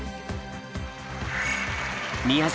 宮崎